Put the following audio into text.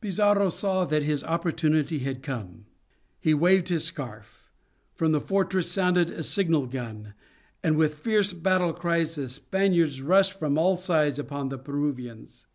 Pizarro saw that his opportunity had come. He waved his scarf; from the fortress sounded a signal gun; and with fierce battle cries the Spaniards rushed from all sides upon the Peruvians.